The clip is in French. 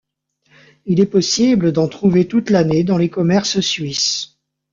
Il est possible d'en trouver toute l'année dans les commerces suisses.